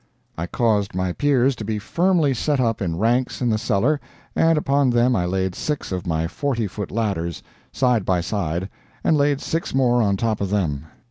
I caused my piers to be firmly set up in ranks in the cellar, and upon them I laid six of my forty foot ladders, side by side, and laid six more on top of them.